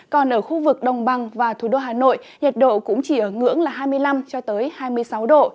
còn ở khu vực đồng bằng và thủ đô hà nội nhiệt độ cũng chỉ ở ngưỡng là hai mươi năm cho tới hai mươi sáu độ